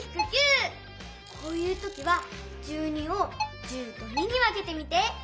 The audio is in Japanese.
こういうときは１２を１０と２にわけてみて。